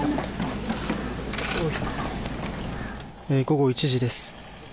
午後１時です。